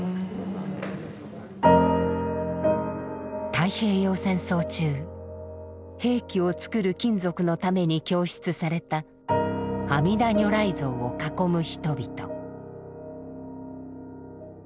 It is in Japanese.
太平洋戦争中兵器を作る金属のために供出された阿弥陀如来像を囲む人々。